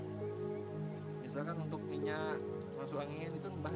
misalkan untuk minyak masuk angin itu mbah ada tahu